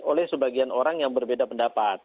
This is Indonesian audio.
oleh sebagian orang yang berbeda pendapat